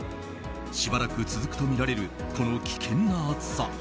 しばらく続くとみられるこの危険な暑さ。